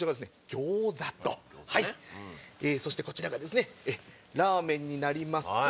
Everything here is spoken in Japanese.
餃子とそしてこちらがラーメンになります。